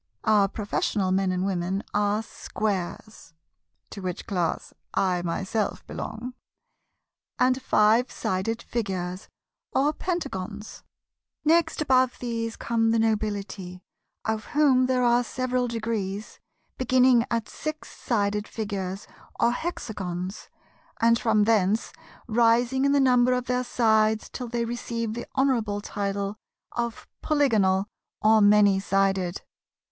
Our Professional Men and Gentlemen are Squares (to which class I myself belong) and Five Sided Figures or Pentagons. Next above these come the Nobility, of whom there are several degrees, beginning at Six Sided Figures, or Hexagons, and from thence rising in the number of their sides till they receive the honourable title of Polygonal, or many Sided.